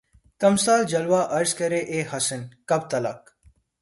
تمثالِ جلوہ عرض کر اے حسن! کب تلک